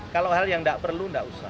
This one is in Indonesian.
kalau hal yang tidak perlu nggak usah